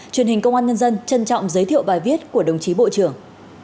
truyền hình công an nhân dân trân trọng giới thiệu bài viết của đồng chí bộ trưởng